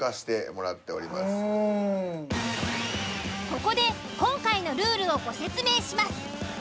ここで今回のルールをご説明します。